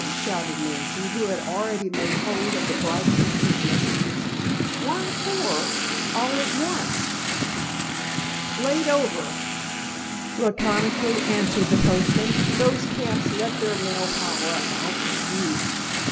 shouted Nancy, who had already made hold the bright pictured messages. "Why four, all at once?" "Laid over," laconically answered the postman. "Those camps let their mail pile up, I'll tell you."